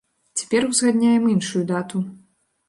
Цяпер узгадняем іншую дату.